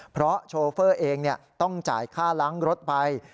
เพราะโชเฟอร์เองต้องจ่ายค่าล้างรถไป